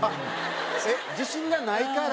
自信がないから。